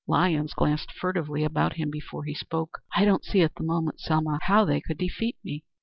Lyons glanced furtively about him before he spoke. "I don't see at the moment, Selma, how they can defeat me."